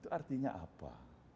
itu artinya apa